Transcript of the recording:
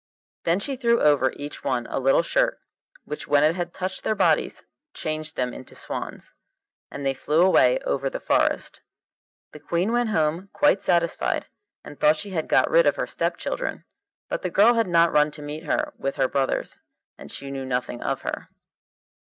Then she threw over each one a little shirt, which when it had touched their bodies changed them into swans, and they flew away over the forest. The Queen went home quite satisfied, and thought she had got rid of her step children; but the girl had not run to meet her with her brothers, and she knew nothing of her.